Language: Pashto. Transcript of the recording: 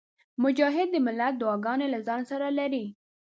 مجاهد د ملت دعاګانې له ځانه سره لري.